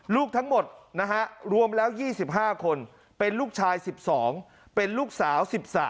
ลูกทั้งหมดนะฮะรวมแล้ว๒๕คนเป็นลูกชาย๑๒เป็นลูกสาว๑๓